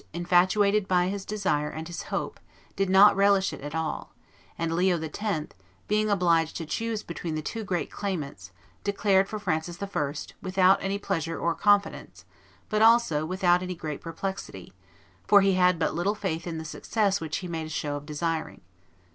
infatuated by his desire and his hope, did not relish it at all; and Leo X., being obliged to choose between the two great claimants, declared for Francis I., without any pleasure or confidence, but also without any great perplexity, for he had but little faith in the success which he made a show of desiring.